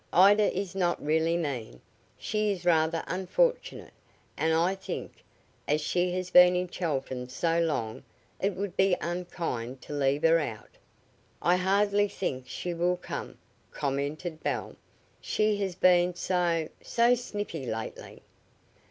"Ida is not really mean she is rather unfortunate and I think, as she has been in Chelton so long it would be unkind to leave her out." "I hardly think she will come," commented Belle. "She has been so so snippy lately."